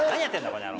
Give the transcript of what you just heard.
この野郎。